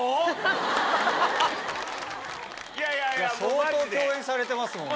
相当共演されてますもんね。